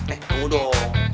eh tunggu dong